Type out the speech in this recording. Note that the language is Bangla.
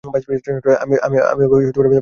আমি ওকে পুরো টাকা দিতে বলেছি।